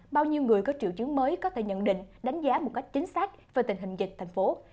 bao nhiêu người có triệu chứng mới có thể nhận định đánh giá một cách chính xác về tình hình dịch thành phố